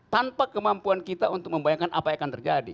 tanpa kemampuan kita untuk membayangkan apa yang akan terjadi